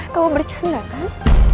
kamu bercanda kan